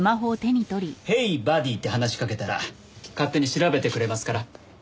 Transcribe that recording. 「ヘイバディ」って話しかけたら勝手に調べてくれますから。